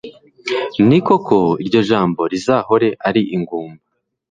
ni koko iryo joro rizahore ari ingumba